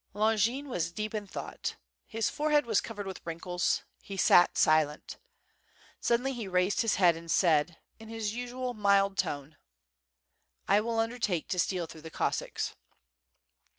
Longin was deep in thought; his forehead was covered with wrinkles; he sat silent. Suddenly he raised his head and said, in his usual mild tone: "I will undertake to steal through the Cossacks.'